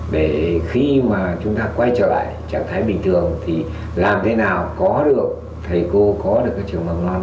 để khi mà chúng ta quay trở lại trạng thái bình thường thì làm thế nào có được thầy cô có được các trường mầm non